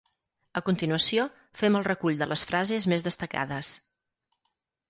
A continuació, fem el recull de les frases més destacades.